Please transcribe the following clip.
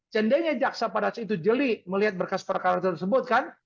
seandainya jaksa pada saat itu jeli melihat berkas perkara tersebut kan